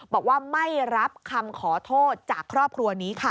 บอกว่าไม่รับคำขอโทษจากครอบครัวนี้ค่ะ